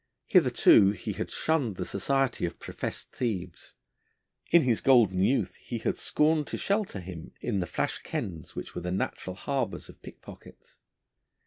Hitherto he had shunned the society of professed thieves; in his golden youth he had scorned to shelter him in the flash kens, which were the natural harbours of pickpockets.